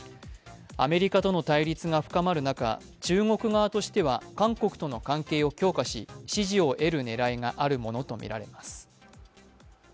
アメリカとの対立が深まる中中国側としては韓国との関係を強化し支持を得る狙いがあるものとみられます。